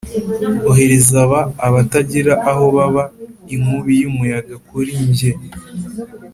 ohereza aba, abatagira aho baba, inkubi y'umuyaga kuri njye,